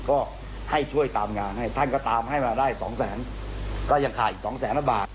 ก็ให้ช่วยตามงานท่านก็ตามมาได้๒๐๐๐๐๐ก็ยังคาดอีก๒๐๐๐๐๐อันบาท